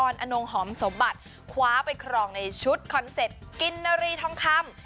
อนงหอมสมบัติคว้าไปครองในชุดคอนเซ็ปต์กินนารีทองคำ